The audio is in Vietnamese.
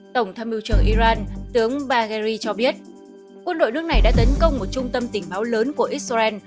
tổng tham mưu trưởng iran tướng bagheri cho biết quân đội nước này đã tấn công một trung tâm tình báo lớn của israel